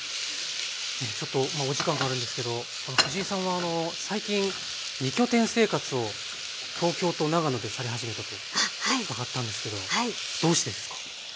ちょっとお時間があるんですけど藤井さんは最近２拠点生活を東京と長野でされ始めたと伺ったんですけどどうしてですか？